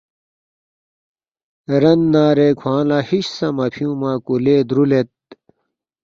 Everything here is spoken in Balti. رَننارے کھوانگ لا ہِش سہ مفیونگمہ کولے درولید